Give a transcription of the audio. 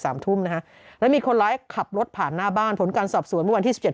สามทุ่มนะและมีคนร้ายขับรถผ่านหน้าบ้านผลการสอบสวนวันที่สิบเจ็ด